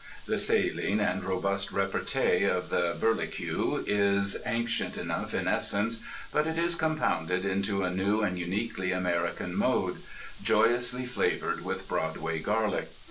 The saline and robust repartee of the burlicue is ancient enough in essence, but it is compounded into a new and uniquely American mode, joyously flavoured with Broadway garlic.